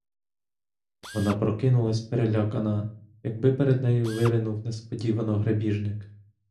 Вона прокинулась, перелякана, якби перед нею виринув несподівано грабіжник.